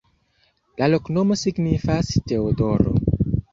La loknomo signifas: Teodoro.